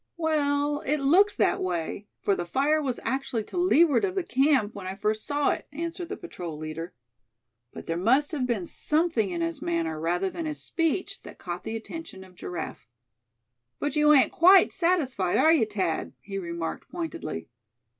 "Well, it looks that way, for the fire was actually to leeward of the camp when I first saw it," answered the patrol leader; but there must have been something in his manner rather than his speech that caught the attention of Giraffe. "But you ain't quite satisfied, are you, Thad?" he remarked, pointedly.